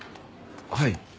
はい。